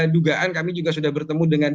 dugaan kami juga sudah bertemu dengan